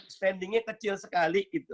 spendingnya kecil sekali